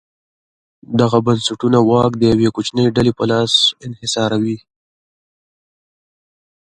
دغه بنسټونه واک د یوې کوچنۍ ډلې په لاس انحصاروي.